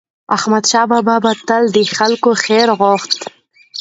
احمدشاه بابا به تل د خلکو خیر غوښت.